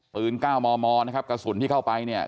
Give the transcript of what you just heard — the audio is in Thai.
๙มมนะครับกระสุนที่เข้าไปเนี่ย